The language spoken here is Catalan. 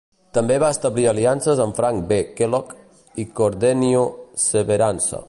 També va establir aliances amb Frank B. Kellogg i Cordenio Severance.